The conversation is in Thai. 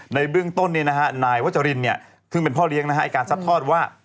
ในเรื่องต้นนายวัจจารณถึงเป็นพ่อเลี้ยงการซับทอดว่า